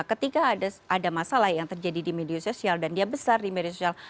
ketika ada masalah yang terjadi di media sosial dan dia besar di media sosial